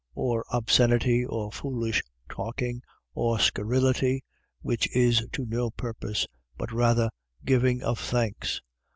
Or obscenity or foolish talking or scurrility, which is to no purpose: but rather giving of thanks.